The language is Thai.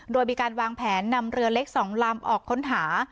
โดยมีการวางแผนนำเรือเล็ก๒ลำออกค้นหา